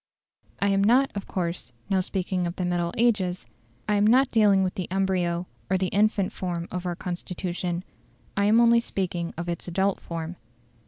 I am not, of course, now speaking of the middle ages: I am not dealing with the embryo or the infant form of our Constitution; I am only speaking of its adult form.